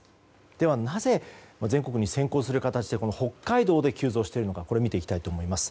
では、なぜ全国に先行する形で北海道で急増しているのかを見ていきたいと思います。